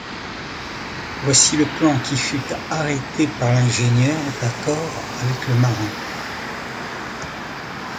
Voici le plan qui fut arrêté par l’ingénieur, d’accord avec le marin